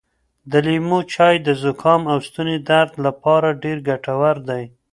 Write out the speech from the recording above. د لیمو چای د زکام او ستوني درد لپاره ډېر ګټور دی.